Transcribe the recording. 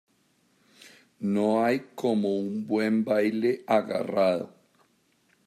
no hay como un buen baile agarrado